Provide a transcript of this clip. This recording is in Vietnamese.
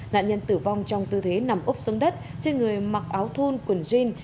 nạn nhân tử vong trong tư thế nằm ốp xuống đất trên người mặc áo thun quần jean